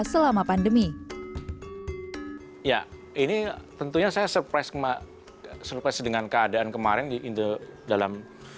selama pandemi ya ini tentunya saya surprise kemarin dengan keadaan kemarin di indonesia dalam